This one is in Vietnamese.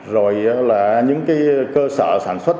rồi là những cơ sở sản xuất